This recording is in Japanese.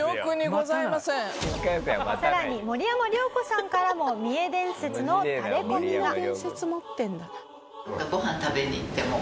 更に森山良子さんからもミエ伝説のタレコミが。